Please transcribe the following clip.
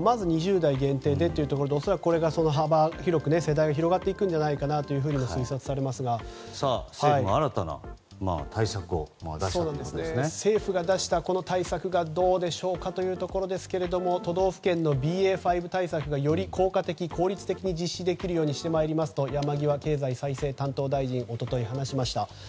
まず２０代限定でというところで恐らく、幅広く世代が広がっていくんじゃないかなと政府も新たな対策を政府が出したこの対策がどうでしょうかというところですけれども都道府県のＢＡ．５対策がより効果的、効率的に実施できるようにしてまいりますと山際経済再生担当大臣は一昨日、話しました。